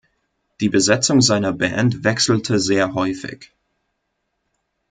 Die Besetzung seiner Band wechselte sehr häufig.